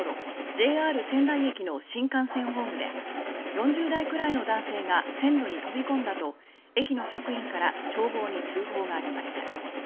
ＪＲ仙台駅の新幹線ホームで「４０代くらいの男性が線路に飛び込んだ」と駅の職員から消防に通報がありました。